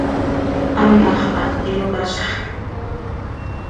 Anàxö xah iyocazx.